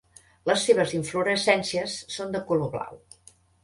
Les seves inflorescències són de color blau.